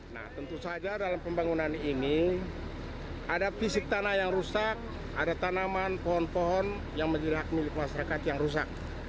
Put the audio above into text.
nah tentu saja dalam pembangunan ini ada fisik tanah yang rusak ada tanaman pohon pohon yang menjadi hak milik masyarakat yang rusak